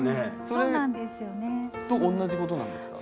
それと同じことなんですか？